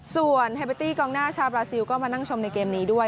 ส่วนเฮเบอร์ตี้กองหน้าชาวบราซิลก็มานั่งชมในเกมนี้ด้วย